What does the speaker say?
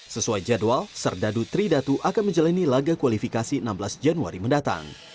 sesuai jadwal serdadu tridatu akan menjalani laga kualifikasi enam belas januari mendatang